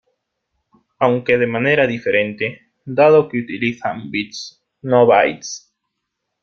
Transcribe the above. Aunque de manera diferente, dado que utilizan bits, no bytes.